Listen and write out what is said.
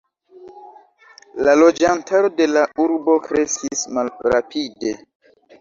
La loĝantaro de la urbo kreskis malrapide.